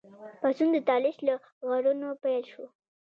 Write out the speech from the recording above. پاڅون د طالش له غرونو پیل شو.